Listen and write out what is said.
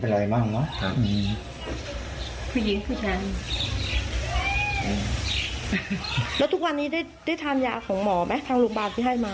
แล้วทุกวันนี้ได้ทานยาของหมอไหมทางโรงพยาบาลที่ให้มา